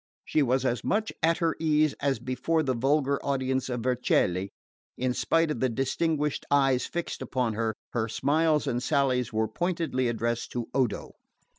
She was as much at her ease as before the vulgar audience of Vercelli, and spite of the distinguished eyes fixed upon her, her smiles and sallies were pointedly addressed to Odo.